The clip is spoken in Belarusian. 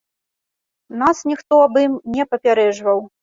Нас ніхто аб ім не папярэджваў.